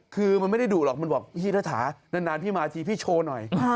คือมันไม่ได้ดุหรอกมันบอกพี่รัฐานานพี่มาทีพี่โชว์หน่อย